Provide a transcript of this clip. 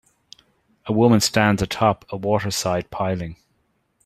A woman stands atop a waterside piling.